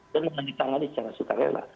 dan menandikan lagi secara sukarela